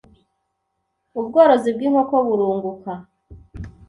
ubworozi bw’inkoko burunguka